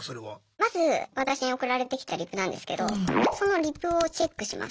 まず私に送られてきたリプなんですけどそのリプをチェックします。